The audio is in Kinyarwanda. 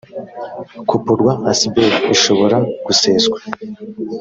coporwa asbl ishobora guseswa